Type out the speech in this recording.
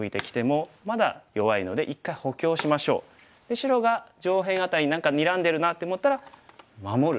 白が上辺あたり何かにらんでるなって思ったら守る。